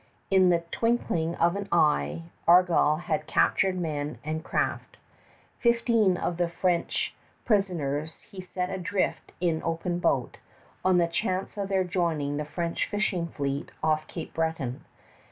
In the twinkling of an eye, Argall had captured men and craft. Fifteen of the French prisoners he set adrift in open boat, on the chance of their joining the French fishing fleet off Cape Breton.